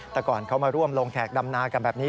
แต่ก่อนเขามาร่วมลงแขกดำนากันแบบนี้